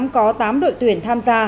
có tám đội tuyển tham gia